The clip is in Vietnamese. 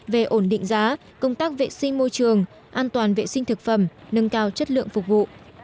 về ổn định giá công tác vệ sinh môi trường an toàn vệ sinh thực phẩm nâng cao chất lượng phục vụ